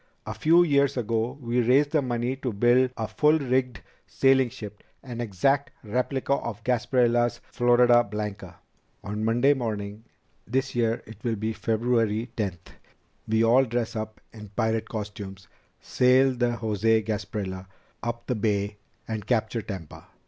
A few years ago we raised the money to build a full rigged sailing ship, an exact replica of Gasparilla's Florida Blanca. On Monday morning this year it will be February tenth we all dress up in pirate costumes, sail the José Gasparilla up the Bay, and capture Tampa.